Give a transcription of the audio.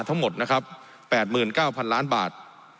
ทั้งหมดนะครับ๘๙๐๐ล้านบาท